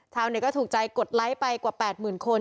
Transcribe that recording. ชาวนี้ก็ถูกใจกดไลค์ไปกว่า๘หมื่นคน